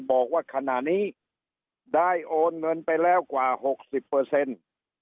บอกว่าขณะนี้ได้โอนเงินไปแล้วกว่าหกสิบเปอร์เซ็นต์